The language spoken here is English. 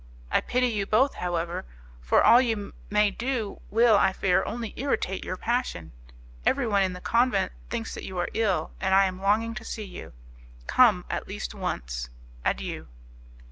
I pity you both, however; for all you may do will, I fear, only irritate your passion. Everyone in the convent thinks that you are ill, and I am longing to see you. Come, at least, once. Adieu!"